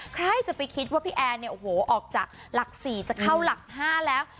ใครจะไปคิดพี่แอนร์ออกจากหลัก๔แล้วก็เข้าหลักห้าแล้ว